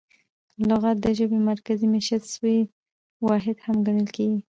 لغت د ژبي مرکزي مېشت سوی واحد هم ګڼل کیږي.